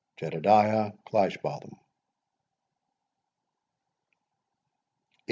JEDEDIAH CLEISHBOTHAM. II.